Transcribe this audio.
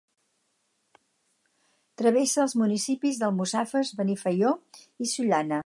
Travessa els municipis d'Almussafes, Benifaió i Sollana.